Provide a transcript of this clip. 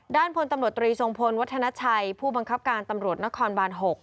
ด้านพลตำรวจตรีทรงพลวัฒนาชัยผู้บังคับการตำรวจนครบาน๖